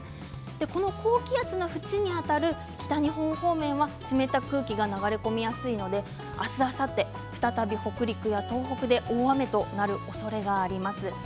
こうした高気圧の縁にあたる北日本方面は湿った空気が流れ込みやすいので明日、あさって再び北陸や東北で大雨となるおそれがあります。